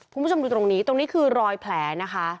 คุณผู้ชมดูตรงนี้ตรงนี้คือรอยแผลนะคะ